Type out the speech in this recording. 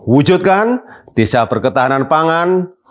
wujudkan desa berketahanan pangan